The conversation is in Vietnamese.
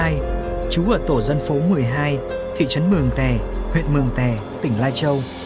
năm một nghìn chín trăm tám mươi hai chú ở tổ dân phố một mươi hai thị trấn mường tè huyện mường tè tỉnh lai châu